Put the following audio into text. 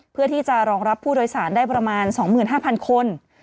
เพื่อที่จะรองรับผู้โดยสารได้ประมาณ๒๕๐๐คน